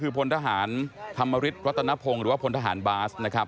คือพลทหารธรรมฤทธิรัตนพงศ์หรือว่าพลทหารบาสนะครับ